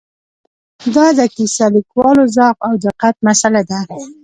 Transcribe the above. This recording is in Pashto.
دا د کیسه لیکوالو ذوق او دقت مساله ده.